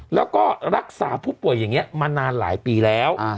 แล้วก็รักษาผู้ป่วยอย่างนี้มานานหลายปีแล้ว